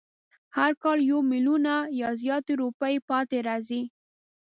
هر کال یو میلیونه یا زیاتې روپۍ پاتې راځي.